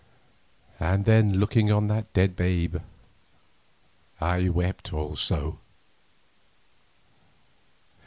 And then, looking on that dead babe, I wept also.